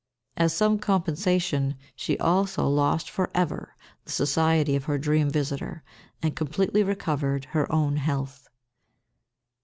As some compensation she also lost for ever the society of her dream visitor, and completely recovered her own health.